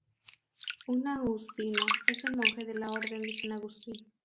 Un "agustino" es un monje de la Orden de San Agustín.